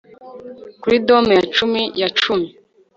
Kuri Dome ya cyami ya cyami